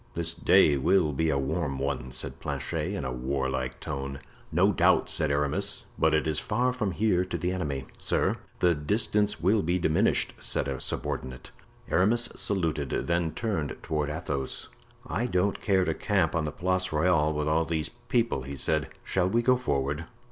"This day will be a warm one," said Planchet, in a warlike tone. "No doubt," said Aramis, "but it is far from here to the enemy." "Sir, the distance will be diminished," said a subordinate. Aramis saluted, then turning toward Athos: "I don't care to camp on the Place Royale with all these people," he said. "Shall we go forward?